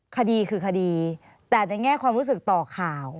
คดีคือคดีแต่ในแง่ความรู้สึกต่อข่าว